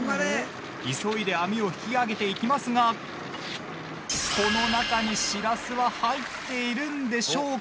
急いで網を引き揚げていきますがこの中にしらすは入っているんでしょうか？